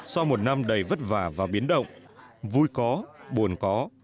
sau một năm đầy vất vả và biến động vui có buồn có